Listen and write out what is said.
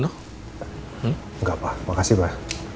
enggak pak makasih pak